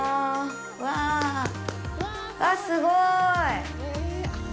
うわあ、すごーい。